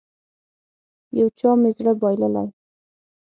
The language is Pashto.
يو چا مې زړه بايللی.